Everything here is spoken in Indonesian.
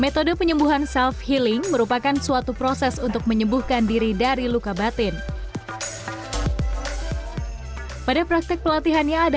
saya akan bekerja di segala hal